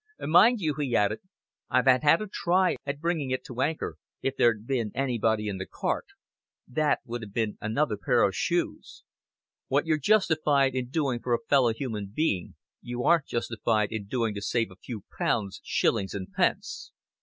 "Mind you," he added, "I'd have had a try at bringing it to anchor if there'd been anybody in the cart. That would have been another pair of shoes. What you're justified in doing for a fellow human being you aren't justified in doing to save a few pounds, shillings and pence."